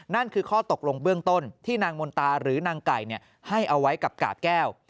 นั่นคือข้อตกลงเบื้องต้นที่นางมนตาหรือนางไก่ให้เอาไว้กับกาบแก้ว